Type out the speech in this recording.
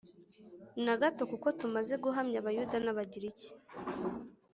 na gato Kuko tumaze guhamya Abayuda n Abagiriki